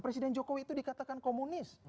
presiden jokowi itu dikatakan komunis